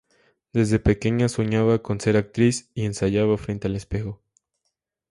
Desde pequeña soñaba con ser actriz y ensayaba frente al espejo.